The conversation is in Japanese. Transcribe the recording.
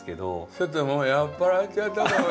ちょっともう酔っ払っちゃったかも。